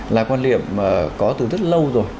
là quan niệm có từ rất lâu rồi